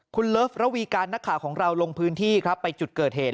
คุณเลิฟระวีการนักข่าวของเราลงพื้นที่ครับไปจุดเกิดเหตุ